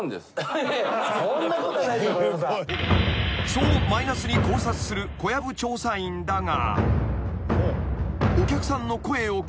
［そうマイナスに考察する小籔調査員だが］